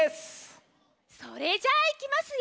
それじゃいきますよ。